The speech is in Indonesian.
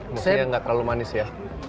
maksudnya nggak terlalu manis ya